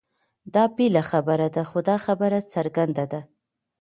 دا بېله خبره ده؛ خو دا خبره څرګنده ده،